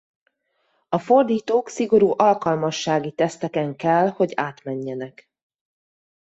A fordítók szigorú alkalmassági teszteken kell hogy átmenjenek.